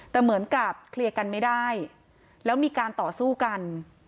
แต่เหมือนกับเคลียร์กันไม่ได้แล้วมีการต่อสู้กัน